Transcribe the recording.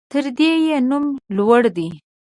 تر ده يې نوم لوړ دى.